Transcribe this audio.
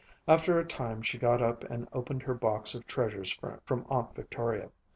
After a time she got up and opened her box of treasures from Aunt Victoria.